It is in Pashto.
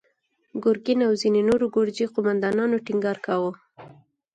ګرګين او ځينو نورو ګرجي قوماندانانو ټينګار کاوه.